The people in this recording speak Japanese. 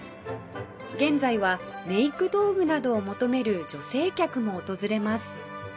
現在はメイク道具などを求める女性客も訪れます